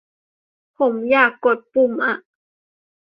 ผมอยากกดปุ่มอ่ะ